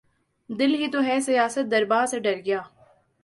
دل ہی تو ہے سیاست درباں سے ڈر گیا